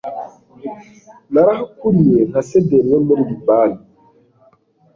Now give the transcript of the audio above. narahakuriye nka sederi yo muri libani